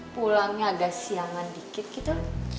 pulangnya agak siangan dikit gitu